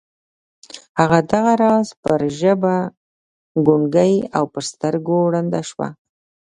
هغه دغه راز پر ژبه ګونګۍ او پر سترګو ړنده شوه